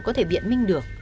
có thể biện minh được